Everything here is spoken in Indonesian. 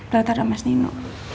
rata ada mas nino